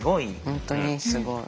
本当にすごい。